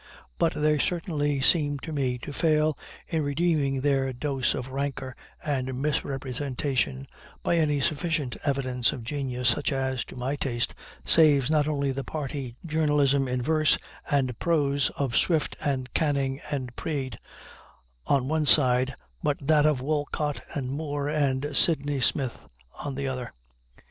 But they certainly seem to me to fail in redeeming their dose of rancor and misrepresentation by any sufficient evidence of genius such as, to my taste, saves not only the party journalism in verse and prose of Swift and Canning and Praed on one side, but that of Wolcot and Moore and Sydney Smith on the other.